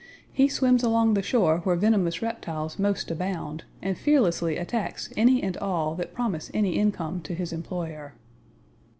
He swims along the shore where venomous reptiles most abound, and fearlessly attacks any and all that promise any income to his employer.